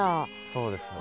そうですよ